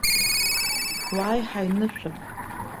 Уааи, ҳаинышәап.